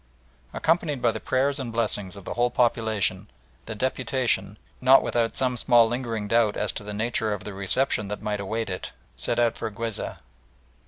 Accompanied by the prayers and blessings of the whole population, the deputation, not without some small lingering doubt as to the nature of the reception that might await it, set out for Guizeh.